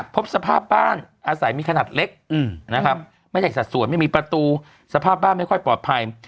พบสภาพบ้านอาศัยมีขนาดเล็กนะครับไม่ได้สัดส่วนไม่มีประตูสภาพบ้านไม่ค่อยปลอดภัย